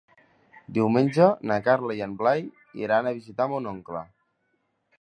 Diumenge na Carla i en Blai iran a visitar mon oncle.